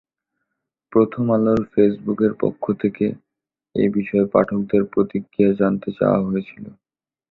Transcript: প্রথম আলোর ফেসবুকের পক্ষ থেকে এ বিষয়ে পাঠকদের প্রতিক্রিয়া জানতে চাওয়া হয়েছিল।